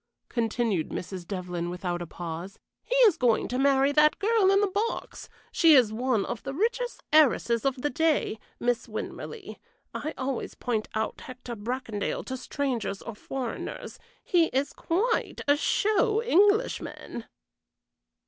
continued Mrs. Devlyn, without a pause. "He is going to marry that girl in the box; she is one of the richest heiresses of the day Miss Winmarleigh. I always point out Hector Bracondale to strangers or foreigners; he is quite a show Englishman."